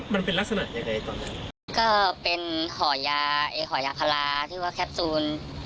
มันเป็นลักษณะยังไงตอนนั้นก็เป็นขอยาเอขอยาคลาที่ว่าแคปซูล